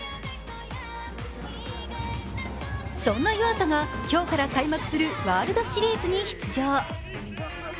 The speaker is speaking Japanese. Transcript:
そんな湯浅が今日から開幕するワールドシリーズに出場。